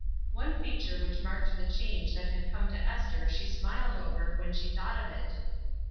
One feature which marked the change that had come to Esther she smiled over, when she thought of it.